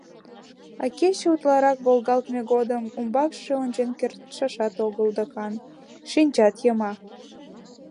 А кече утларак волгалтме годым ӱмбакше ончен кертшашат огыл, докан: шинчат йыма...